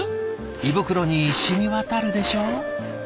胃袋にしみわたるでしょ？